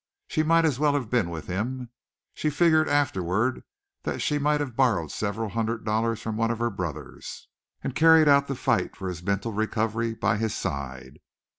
She might as well have been with him. She figured afterward that she might have borrowed several hundred dollars from one of her brothers, and carried out the fight for his mental recovery by his side.